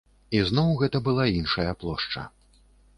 І зноў гэта была іншая плошча.